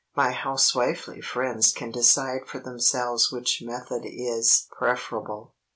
My housewifely friends can decide for themselves which method is preferable.